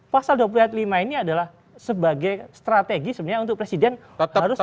pasal dua puluh ayat lima ini adalah sebagai strategi sebenarnya untuk presiden harus